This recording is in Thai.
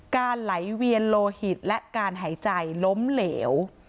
ไหลเวียนโลหิตและการหายใจล้มเหลว